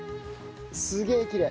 すげえきれい！